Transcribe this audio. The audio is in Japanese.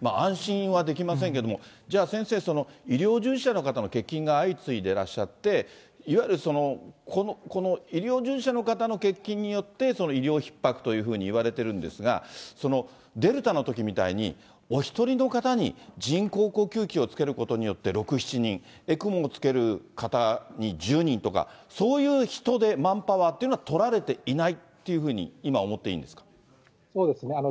安心はできませんけども、じゃあ、先生その医療従事者の方の欠勤が相次いでいらっしゃって、いわゆるその、この医療従事者の方の欠勤によって、医療ひっ迫というふうにいわれているんですが、そのデルタのときみたいにお一人の方に人工呼吸器をつけることによって６、７人、ＥＣＭＯをつける方に１０人とか、そういう人手、マンパワーっていうのは、取られていないっていうふうに、そうですね。